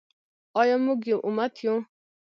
آیا موږ یو امت یو؟